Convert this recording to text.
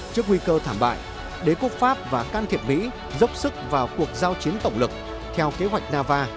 trước nguy cơ thảm bại đế quốc pháp và can thiệp mỹ dốc sức vào cuộc giao chiến tổng lực theo kế hoạch nava